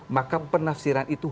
maka penafsiran itu